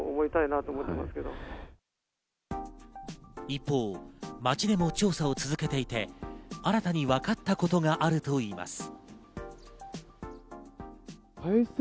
一方、町でも調査を続けていて、新たに分かったことがあるといいます。